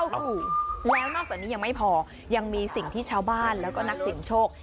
โอ้โหแล้วนอกจากนี้ยังไม่พอยังมีสิ่งที่ชาวบ้านแล้วก็นักเสียงโชค